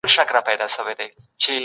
پر کلي شرمولې